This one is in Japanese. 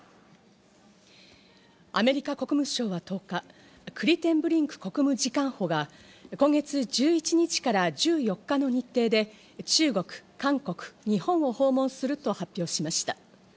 アメリカ国務省は１０日、クリテンブリンク国務次官補が今月１１日から１４日の日程で、中国、韓国、日本を訪問すると発表しました。